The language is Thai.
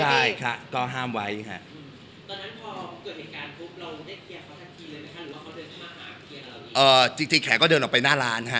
เราได้เคลียร์เขาทันทีเลยไหมคะหรือว่าเขาเดินเข้ามาหาเอ่อจริงจริงแขก็เดินออกไปหน้าร้านฮะ